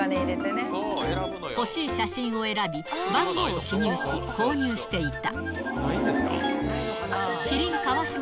欲しい写真を選び、番号を記入し、購入していた。